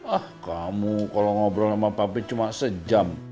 ah kamu kalau ngobrol sama pabrik cuma sejam